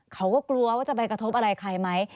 เขาก็กลัวว่าจะไปกระทบอะไรใครไหม